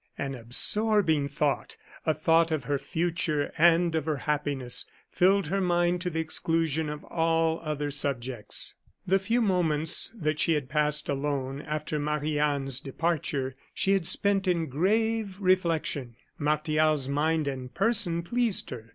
An absorbing thought a thought of her future, and of her happiness, filled her mind to the exclusion of all other subjects. The few moments that she had passed alone, after Marie Anne's departure, she had spent in grave reflection. Martial's mind and person pleased her.